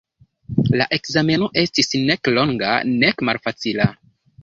La ekzameno estis nek longa, nek malfacila.